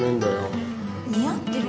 似合ってるわよ。